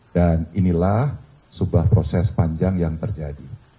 dan inilah sebuah proses panjang yang terjadi